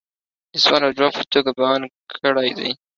دسوال او جواب په توگه بیان کړي دي